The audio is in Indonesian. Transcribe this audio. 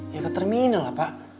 ya ke terminal lah pak